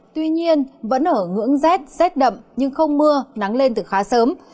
tuy nhiên vẫn ở ngưỡng rét đậm nhưng không mưa nắng lên từ khá sớm